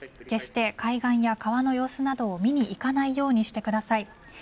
決して、海岸や川の様子などを見に行かないようにしてください。